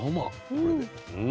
これで。